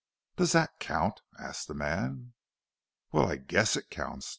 "Does that count?" asked the man. "Well, I guess it counts!"